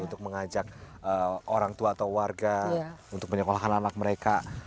untuk mengajak orang tua atau warga untuk menyekolahkan anak mereka